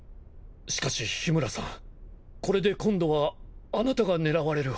しかし緋村さんこれで今度はあなたが狙われる羽目に。